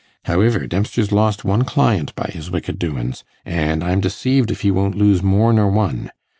Howiver, Dempster's lost one client by his wicked doins, an' I'm deceived if he won't lose more nor one.